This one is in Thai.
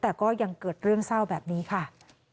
แต่ก็ยังเกิดเรื่องเศร้าแบบนี้ค่ะ